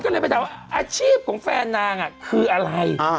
ก็เลยไปถามว่าอาชีพของแฟนนางคืออะไร